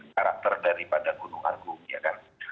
karakter daripada gunung agung